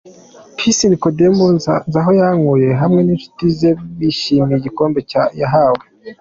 Peace Nicodem Nzahoyankuye hamwe n'inshuti ze bishimira igikombe yahawe.